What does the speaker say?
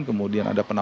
kemudian ada penelitian